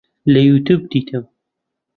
لە یوتیوب دیتم